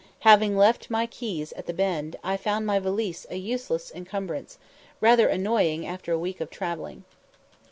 Having left my keys at the Bend, I found my valise a useless incumbrance, rather annoying after a week of travelling.